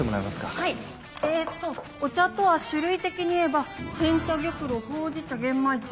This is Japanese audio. はいえっとお茶とは種類的にいえば煎茶玉露ほうじ茶